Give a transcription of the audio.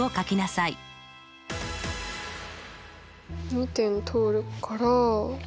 ２点を通るから。